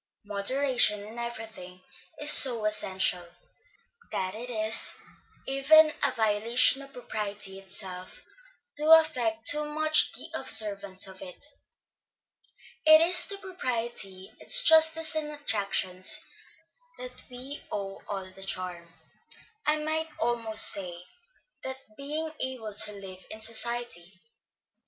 Moderation in everything is so essential, that it is even a violation of propriety itself to affect too much the observance of it. It is to propriety, its justice and attractions, that we owe all the charm, I might almost say, the being able to live in society.